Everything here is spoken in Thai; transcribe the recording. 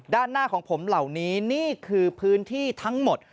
ด้านหน้าของผมเหล่านี้นี่คือพื้นที่ทั้งหมด